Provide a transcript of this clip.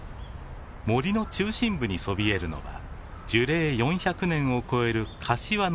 森の中心部にそびえるのは樹齢４００年を超えるカシワの巨木。